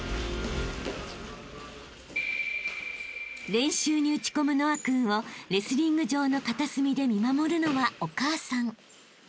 ［練習に打ち込む和青君をレスリング場の片隅で見守るのは］